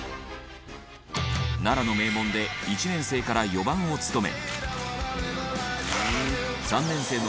奈良の名門で１年生から４番を務め。